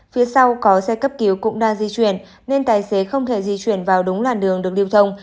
phía sau có xe cấp cứu cũng đang di chuyển nên tài xế không thể di chuyển vào đúng làn đường được lưu thông